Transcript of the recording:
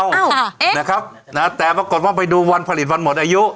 ค่ะเอ๊ะนะครับนะแต่ปรากฏว่าไปดูวันผลิตวันหมดอายุ